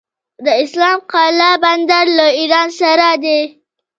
د اسلام قلعه بندر له ایران سره دی